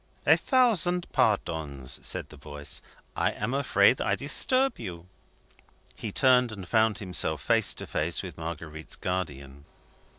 "A thousand pardons," said the voice; "I am afraid I disturb you." He turned, and found himself face to face with Marguerite's guardian.